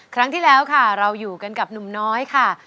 ครั้งที่แล้วค่ะเราอยู่กันกับหนุ่มน้อยค่ะ